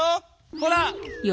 ほら！